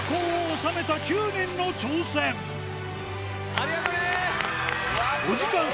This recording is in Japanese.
ありがとうね！